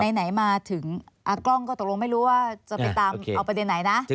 ถึงมาถึงกล้องก็ตกลงไม่รู้ว่าจะไปตามเอาไปด้วยไหนนะ